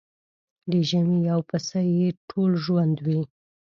د ژمي يو پسه يې ټول ژوند وي.